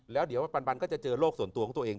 แล้วเดี๋ยวปันก็จะเจอโลกส่วนตัวของตัวเอง